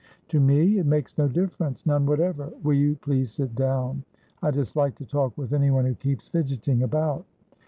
"To me? It makes no differencenone whatever. Will you please sit down? I dislike to talk with anyone who keeps fidgeting about."